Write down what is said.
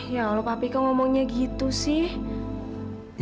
ya allah papi kok ngomongnya gitu sih